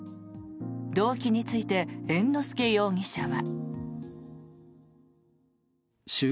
動機について猿之助容疑者は。